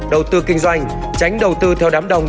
đầu tư kinh doanh tránh đầu tư theo đám đông